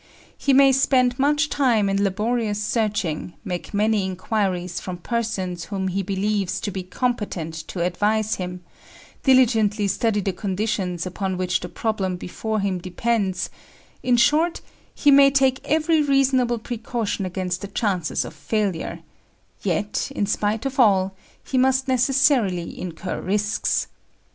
He may spend much time in laborious searching; make many inquiries from persons whom he believes to be competent to advise him; diligently study the conditions upon which the problem before him depends in short, he may take every reasonable precaution against the chances of failure, yet, in spite of all, he must necessarily incur risks.